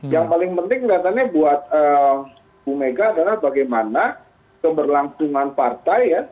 yang paling penting kelihatannya buat bu mega adalah bagaimana keberlangsungan partai ya